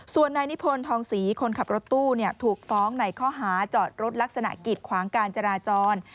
ส่วนนายนิพนธ์ทองศรีคนขับรถตู้ถูกฟ้องในข้อหาจอดรถลักษณะกิดขวางการจราจร